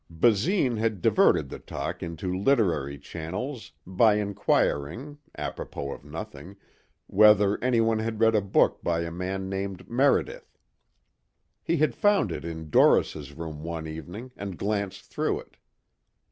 Basine had diverted the talk into literary channels by inquiring, apropos of nothing, whether anyone had read a book by a man named Meredith. He had found it in Doris' room one evening and glanced through it.